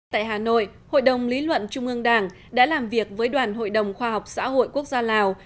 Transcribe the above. tại hà nội hội đồng lý luận trung ương đảng đã làm việc với đoàn hội đồng khoa học xã hội quốc gia lào